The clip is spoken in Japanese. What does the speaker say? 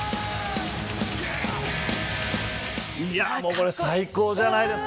これ最高じゃないですか。